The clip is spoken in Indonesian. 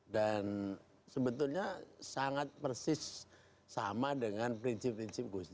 dan sebetulnya sangat persis sama dengan prinsip prinsip gus